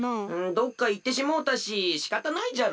どっかいってしもうたししかたないじゃろ。